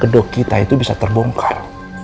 dok kita itu bisa terbongkar